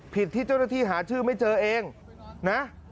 ที่เจ้าหน้าที่หาชื่อไม่เจอเองนะ